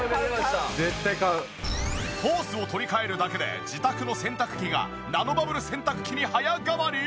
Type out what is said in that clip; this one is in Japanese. ホースを取り換えるだけで自宅の洗濯機がナノバブル洗濯機に早変わり！？